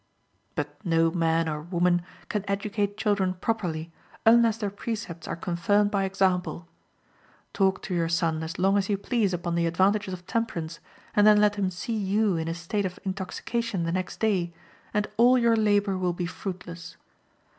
But no man or woman can educate children properly unless their precepts are confirmed by example. Talk to your son as long as you please upon the advantages of temperance, and then let him see you in a state of intoxication the next day, and all your labor will be fruitless.